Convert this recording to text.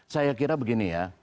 saya kira begini ya